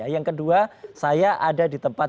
yang kedua saya ada di tempat